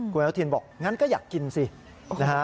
คุณอนุทินบอกงั้นก็อยากกินสินะฮะ